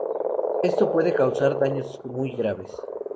Esto puede causar daños muy graves.